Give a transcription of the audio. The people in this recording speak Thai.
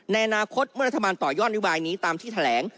ในอนาคตเมื่อรัฐบาลต่อยอดนโยบายนี้ตามที่แถลง